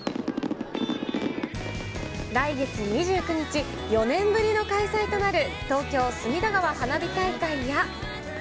来月２９日、４年ぶりの開催となる、東京・隅田川花火大会や。